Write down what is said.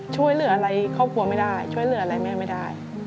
ช่วยเหลืออะไรครอบครัวไม่ได้ช่วยเหลืออะไรแม่ไม่ได้